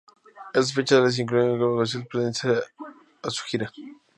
Estas fechas las incluyó como conciertos pertenecientes a su gira.